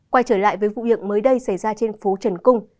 quay trở lại với vụ việc mới đây xảy ra trên phố trần cung